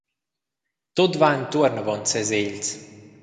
Tut va entuorn avon ses egls.